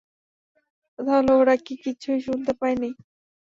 তাহলে ওরা কি কিছুই শুনতে পায়নি?